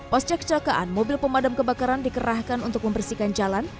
pasca kecelakaan mobil pemadam kebakaran dikerahkan untuk membersihkan jalan